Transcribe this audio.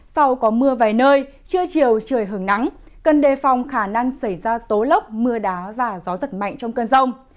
sau có mưa vài nơi trưa chiều trời hưởng nắng cần đề phòng khả năng xảy ra tố lốc mưa đá và gió giật mạnh trong cơn rông